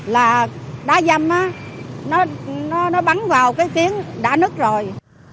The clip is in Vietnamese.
là đá dâm nó bắn vào cái kiến đã nứt rồi